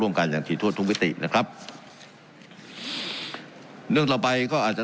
กันอย่างถี่ถ้วนทุกมิตินะครับเรื่องต่อไปก็อาจจะ